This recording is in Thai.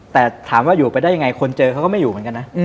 แต่ถามว่าอยู่ไปได้ยังไงคนเจอเขาก็ไม่อยู่เหมือนกันนะ